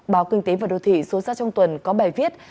báo kinh tế và đô thị số ra trong tuần có bài viết